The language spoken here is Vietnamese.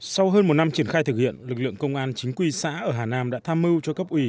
sau hơn một năm triển khai thực hiện lực lượng công an chính quy xã ở hà nam đã tham mưu cho cấp ủy